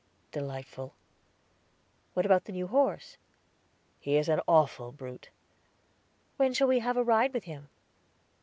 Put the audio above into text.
"Delightful." "What about the new horse?" "He is an awful brute." "When shall we have a ride with him?"